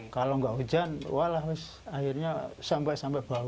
kalau nggak hujan walah akhirnya sampai sampai bau